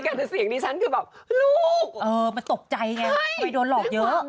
เอ่อมันตกใจไงมันไปโดนหลอกเยอะ